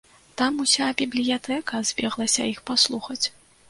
Там уся бібліятэка збеглася іх паслухаць.